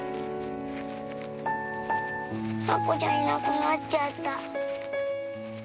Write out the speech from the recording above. なっこちゃんいなくなっちゃった。